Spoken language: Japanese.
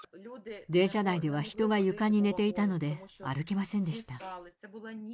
電車内では人が床に寝ていたので、歩けませんでした。